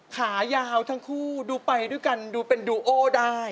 ขายาวทั้งคู่ดูไปด้วยกันดูเป็นดูโอได้